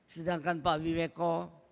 sedangkan pak wimeko